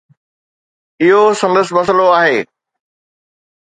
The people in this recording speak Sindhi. اهو سندس مسئلو آهي.